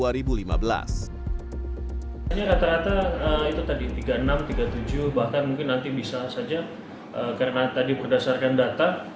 hanya rata rata itu tadi tiga puluh enam tiga puluh tujuh bahkan mungkin nanti bisa saja karena tadi berdasarkan data